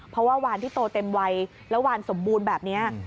เพราะว่าวานที่โตเต็มวัยแล้ววานสมบูรณ์แบบนี้